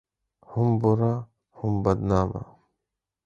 هم بوره ، هم بدنامه